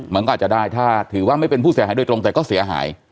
มันก็อาจจะได้ถ้าถือว่าไม่เป็นผู้เสียหายโดยตรงแต่ก็เสียหาย